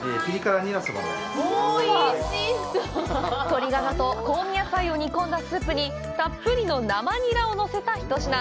鶏ガラと香味野菜を煮込んだスープにたっぷりの生ニラをのせた一品。